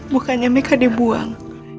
bukannya meka dibuang